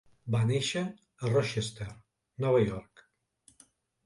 Va néixer a Rochester, Nova York.